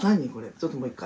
ちょっともう一回。